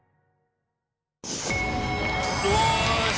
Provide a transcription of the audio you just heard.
よし！